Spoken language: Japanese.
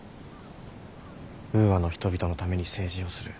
ウーアの人々のために政治をする。